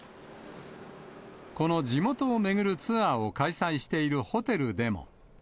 この地元を巡るツアーを開催しているホテルでも。